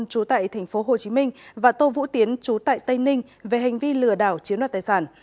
chú tại tp hcm và tô vũ tiến chú tại tây ninh về hành vi lừa đảo chiếm đoạt tài sản